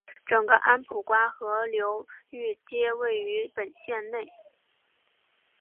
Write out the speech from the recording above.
整个安普瓜河流域皆位于本县内。